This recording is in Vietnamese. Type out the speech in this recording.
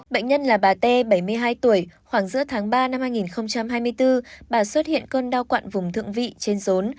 bệnh nhân là bà t bảy mươi hai tuổi khoảng giữa tháng ba năm hai nghìn hai mươi bốn bà xuất hiện cơn đau quặn vùng thượng vị trên rốn